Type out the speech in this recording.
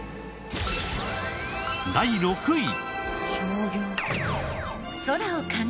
第６位。